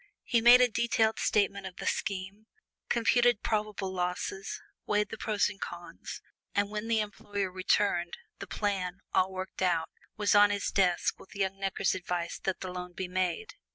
He made a detailed statement of the scheme, computed probable losses, weighed the pros and cons, and when the employer returned, the plan, all worked out, was on his desk, with young Necker's advice that the loan be made.